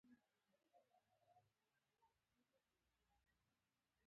چې د ژوند په خوند او راز پوه شئ.